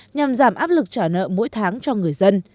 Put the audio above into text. nhằm giảm áp lực trả nợ mỗi tháng cho người dân